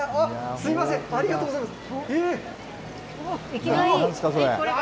あっ、すみません、ありがとうございます。